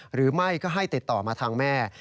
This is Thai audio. หรือไม่ก็ให้ติดต่อมาทางแม่